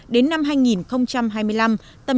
đến năm hai nghìn hai mươi năm